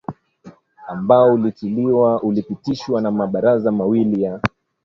ambao ulitiliwa ulipitishwa na mabaraza mawili ya